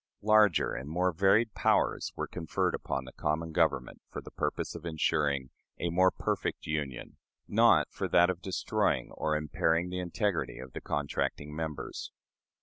Larger and more varied powers were conferred upon the common Government for the purpose of insuring "a more perfect union" not for that of destroying or impairing the integrity of the contracting members.